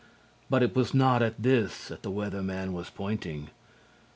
But it was not at this that the Weather Man was pointing.